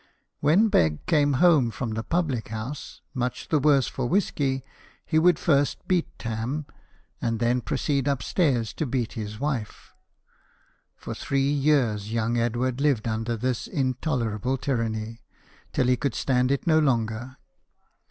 When Begg came home from the public house, much the worse for whisky, he would first beat Tarn, and then proceed upstairs to beat his wife. For three years young Edward lived under this intolerable tyranny, till he could stand it no longer.